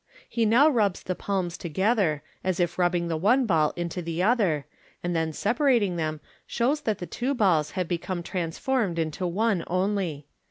He now rubs the palms together, as if rubbing the one ball into the other, and then separating them shows that the two balls have become transformed into one only.